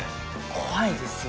怖いですよ。